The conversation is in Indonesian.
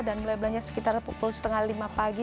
dan mulai belanja sekitar pukul setengah lima pagi